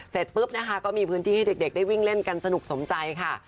เสร็จปุ๊บนะคะก็มีพื้นที่ให้เด็กได้วิ่งเล่นกันสนุกสมใจค่ะ